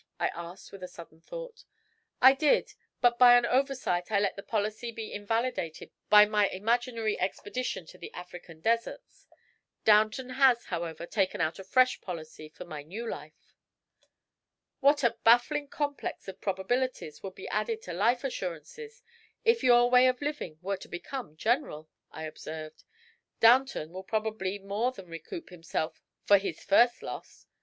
I asked, with a sudden thought. "I did; but by an oversight I let the policy be invalidated by my imaginary expedition to the African deserts. Downton has, however, taken out a fresh policy for my new life." "What a baffling complex of probabilities would be added to Life Assurances if your way of living were to become general!" I observed. "Downton will probably more than recoup himself for his first loss.